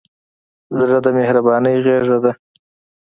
زړه د مهربانۍ غېږه ده.